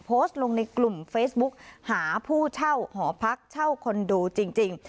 โพสต์ลงในกลุ่มเฟซบุ๊กหาผู้เช่าหอพักเช่าคอนโดจริง